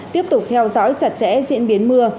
tiếp tục theo dõi chặt chẽ diễn biến mưa